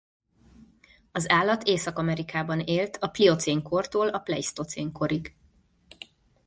Az állat Észak-Amerikában élt a pliocén kortól a pleisztocén korig.